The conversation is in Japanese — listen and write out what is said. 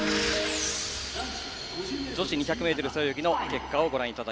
女子２００ｍ背泳ぎの結果です。